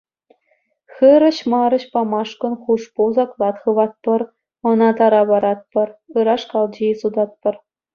Хырӑҫ-марӑҫ памашкӑн хушпу саклат хыватпӑр, ӑна тара паратпӑр, ыраш калчи сутатпӑр.